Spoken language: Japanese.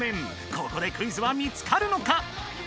ここでクイズは見つかるのか？